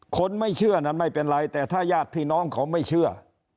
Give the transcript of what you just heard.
คนไม่เชื่อนั้นไม่เป็นไรแต่ถ้าญาติพี่น้องเขาไม่เชื่อ